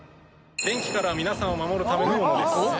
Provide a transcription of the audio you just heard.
電気から皆さんを守るためのものです。